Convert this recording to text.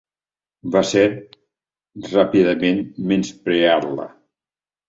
Va seguir ràpidament, menyspreant-la.